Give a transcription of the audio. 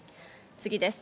次です。